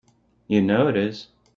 You know it is!